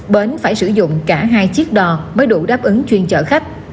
bến phải sử dụng cả hai chiếc đò mới đủ đáp ứng chuyên chở khách